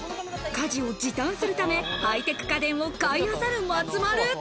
家事を時短するため、ハイテク家電を買いあさる松丸。